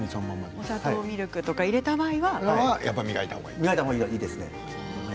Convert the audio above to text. お砂糖とミルクを入れた場合には、うがいをしたほうがいいですね。